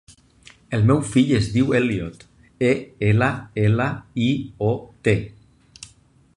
El meu fill es diu Elliot: e, ela, ela, i, o, te.